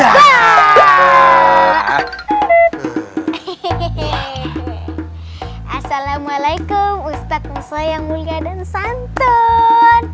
assalamualaikum ustadz muswa yang mulia dan santun